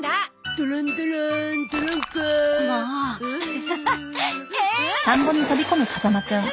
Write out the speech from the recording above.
アハハハ！